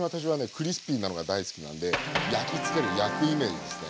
クリスピーなのが大好きなんで焼きつける焼くイメージですね。